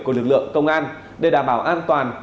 của lực lượng công an để đảm bảo an toàn